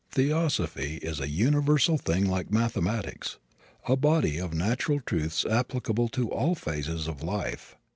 Theosophy is a universal thing like mathematics a body of natural truths applicable to all phases of life.